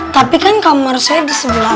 tapi kan kamar saya di sebelah